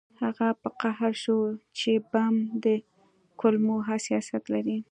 هغه په قهر شو چې بم د کلمو حساسیت لري